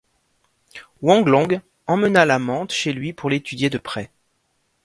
Wong Long emmena la mante chez lui pour l’étudier de près.